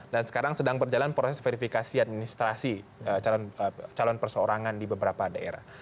dan sekarang sedang berjalan proses verifikasi administrasi calon perseorangan di beberapa daerah